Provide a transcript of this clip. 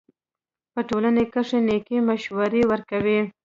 په ټولنه کښي نېکي مشورې ورکوئ!